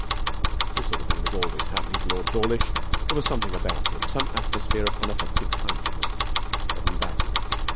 This sort of thing was always happening to Lord Dawlish. There was something about him, some atmosphere of unaffected kindliness, that invited it.